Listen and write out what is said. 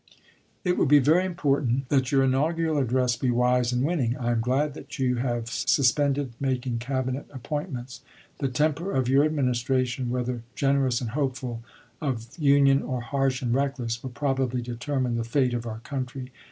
It will be very important that your inaugural address be wise and winning. I am glad that you have sus pended making Cabinet appointments. The temper of your Administration, whether generous and hopeful of union or harsh and reckless, will probably determine the fate of our country.